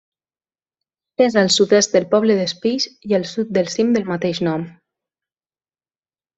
És al sud-est del poble d'Espills i al sud del cim del mateix nom.